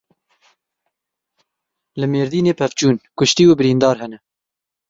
Li Mêrdînê pevçûn: Kuştî û birîndar hene.